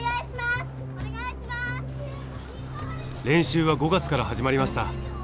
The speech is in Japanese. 練習は５月から始まりました。